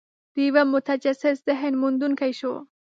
د یوه متجسس ذهن موندونکي شو.